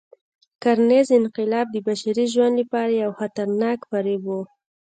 کرنيز انقلاب د بشري ژوند لپاره یو خطرناک فریب و.